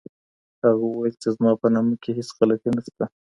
هغه وویل چي زما په نامه کي هیڅ غلطي نسته.